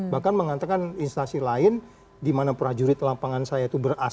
bahkan mengantarkan instasi lain di mana prajurit lapangan saya itu berasal